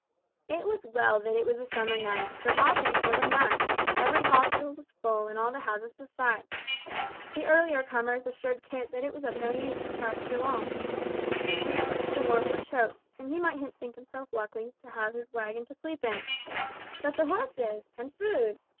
It was well that it was a summer night, for lodgings there were none. Every hostel was full and all the houses besides. The earlier comers assured Kit that it was of no use to try to go on. The streets up to the wharf were choked, and he might think himself lucky to have his waggon to sleep in. But the horses! And food?